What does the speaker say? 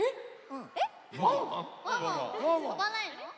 とばないの？